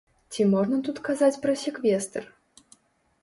Ці можна тут казаць пра секвестр?